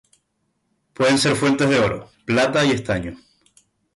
Pueden ser fuentes de oro, plata y estaño.